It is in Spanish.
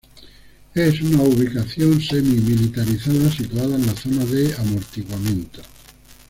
Es una ubicación semi-militarizada situada en la zona de amortiguamiento.